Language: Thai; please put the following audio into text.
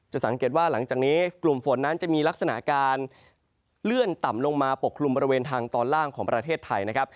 สังเกตว่าหลังจากนี้กลุ่มฝนนั้นจะมีลักษณะการเลื่อนต่ำลงมาปกคลุมบริเวณทางตอนล่างของประเทศไทยนะครับ